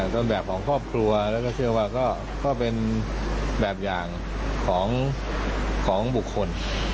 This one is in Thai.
ต้นแบบของครอบครัวแล้วก็เชื่อว่าก็เป็นแบบอย่างของบุคคล